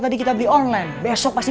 tapi tuh gini